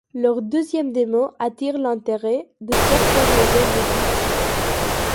Leur deuxième démo attire l'intérêt de certaines maisons de disques.